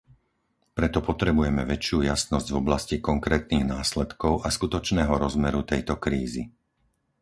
Preto potrebujeme väčšiu jasnosť v oblasti konkrétnych následkov a skutočného rozmeru tejto krízy.